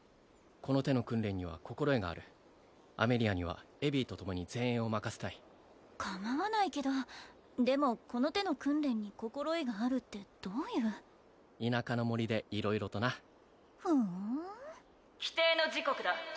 この手の訓練には心得があるアメリアにはエヴィとともに前衛を任せたいかまわないけどでもこの手の訓練に心得があるってどういう田舎の森で色々となふん規定の時刻だ